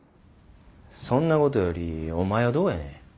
そんなことよりお前はどうやねん。